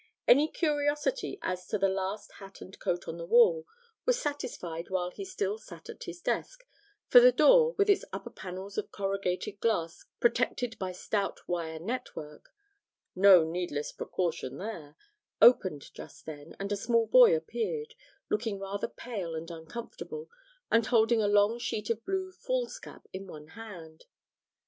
Any curiosity as to the last hat and coat on the wall was satisfied while he still sat at his desk, for the door, with its upper panels of corrugated glass protected by stout wire network no needless precaution there opened just then, and a small boy appeared, looking rather pale and uncomfortable, and holding a long sheet of blue foolscap in one hand.